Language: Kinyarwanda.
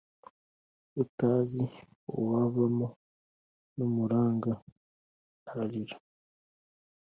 Utazi uwavamo n’umuranga!arirara